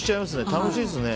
楽しいですね。